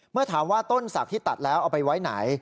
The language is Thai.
เมื่อถามว่าต้นศักดิ์ที่ตัดแล้วเอาไปไว้ไหน